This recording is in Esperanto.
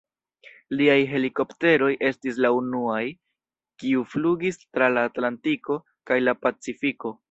Liaj helikopteroj estis la unuaj, kiu flugis tra la Atlantiko kaj la Pacifiko.